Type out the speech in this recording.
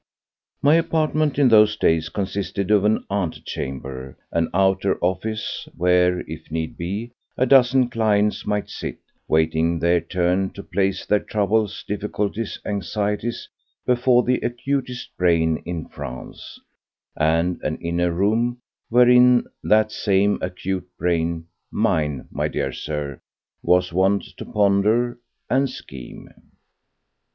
My apartment in those days consisted of an antechamber, an outer office where, if need be, a dozen clients might sit, waiting their turn to place their troubles, difficulties, anxieties before the acutest brain in France, and an inner room wherein that same acute brain—mine, my dear Sir—was wont to ponder and scheme.